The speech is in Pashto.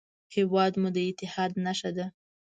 هېواد مو د اتحاد نښه ده